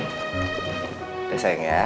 udah sayang ya